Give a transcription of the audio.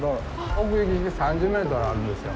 奥行き３０メートルあるんですよ。